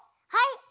はい。